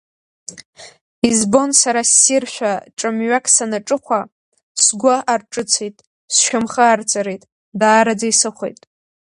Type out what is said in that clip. Избон сара ссиршәа ҿамҩак санаҿыхәа, сгәы арҿыцит, сшьамхы арҵарит, даараӡа исыхәеит.